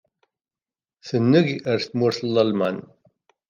Tunag ar tmurt n Lalman.